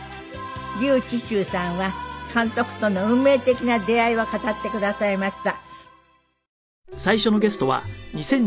笠智衆さんは監督との運命的な出会いを語ってくださいました。